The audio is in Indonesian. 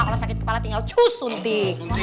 kalau sakit kepala tinggal cus suntik